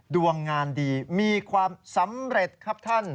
ดวงงานดีมีความสำเร็จครับท่าน